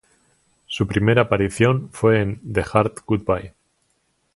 Su primera aparición fue en "The Hard Goodbye".